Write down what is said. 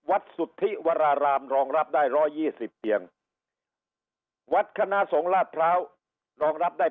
วัดสุทธิวรรารามรองรับได้ร้อยยี่สิบเตียงวัดคณะสงราชพราวรองรับได้